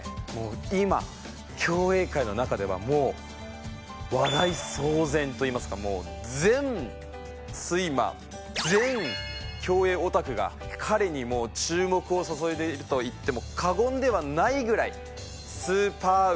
今競泳界の中ではもう話題騒然といいますか全スイマー全競泳オタクが彼に注目を注いでいると言っても過言ではないぐらいスーパーウルトラスイマーです。